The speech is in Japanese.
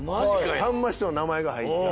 さんま師匠の名前が入った。